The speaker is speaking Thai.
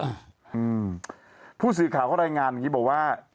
อืมผู้สื่อข่าวเขารายงานอย่างงี้บอกว่า